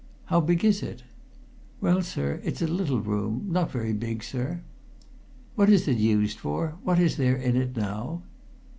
"How big is it?" "Well, sir, it's a little room. Not very big, sir." "What is it used for? What is there in it now?"